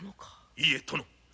いえ殿！